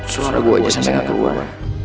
suara gue bisa sangat keluar